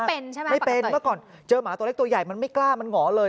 ใช่ไหมไม่เป็นเมื่อก่อนเจอหมาตัวเล็กตัวใหญ่มันไม่กล้ามันหงอเลย